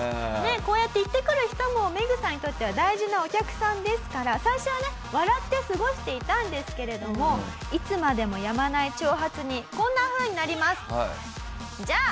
こうやって言ってくる人もメグさんにとっては大事なお客さんですから最初はね笑って過ごしていたんですけれどもいつまでもやまない挑発にこんなふうになります。